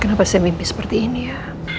kenapa saya mimpis berdiri ini ya